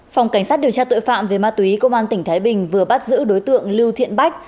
phòng cảnh sát điều tra tội phạm về ma túy công an tỉnh thái bình vừa bắt giữ đối tượng lưu thiện bách